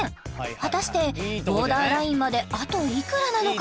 果たしてボーダーラインまであといくらなのか？